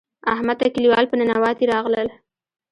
احمد ته کلیوال په ننواتې راغلل.